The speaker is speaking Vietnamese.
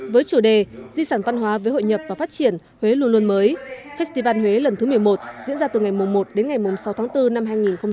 với chủ đề di sản văn hóa với hội nhập và phát triển huế luôn luôn mới festival huế lần thứ một mươi một diễn ra từ ngày một đến ngày sáu tháng bốn năm hai nghìn hai mươi